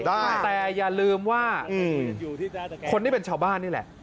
แต่อย่าลืมว่าคนที่เป็นชาวบ้านนี่แหละ